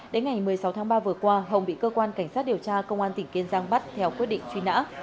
đến ngày một mươi sáu tháng ba vừa qua hồng bị cơ quan cảnh sát điều tra công an tỉnh kiên giang bắt theo quyết định truy nã